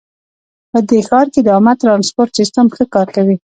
په دې ښار کې د عامه ترانسپورټ سیسټم ښه کار کوي